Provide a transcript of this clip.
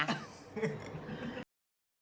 ก็ไม่รู้ว่าจะหามาได้จะบวชก่อนเบียดหรือเปล่า